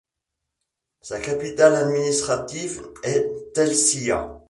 Sa capitale administrative est Telšiai.